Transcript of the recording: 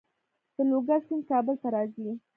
د لوګر سیند کابل ته راځي